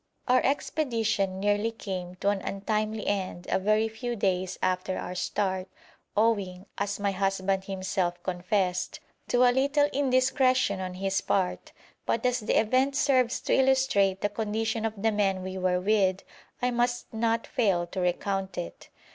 Our expedition nearly came to an untimely end a very few days after our start, owing, as my husband himself confessed, to a little indiscretion on his part; but as the event serves to illustrate the condition of the men we were with, I must not fail to recount it.